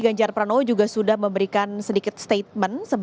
gambar yang anda saksikan saat ini adalah